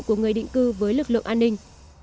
của người định cư với lực lượng an ninh